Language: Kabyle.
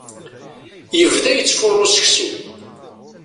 Yebda yettfuṛu seksu.